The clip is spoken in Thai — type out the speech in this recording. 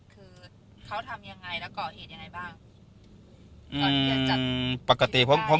เขาทำยังไงแล้วก็เหตุยังไงบ้าง